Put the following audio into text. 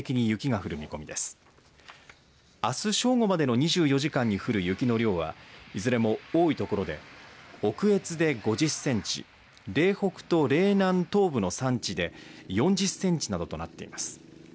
あす正午までの２４時間に降る雪の量はいずれも多い所で奥越で５０センチ嶺北と嶺南東部の山地で４０センチなどとなっています。